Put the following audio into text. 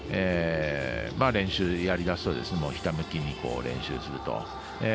練習、やりだすとひたむきに練習すると。